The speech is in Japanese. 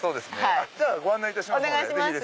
じゃあご案内いたしますので。